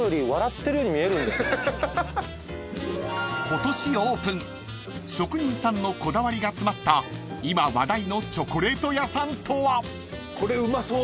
［今年オープン職人さんのこだわりが詰まった今話題のチョコレート屋さんとは？］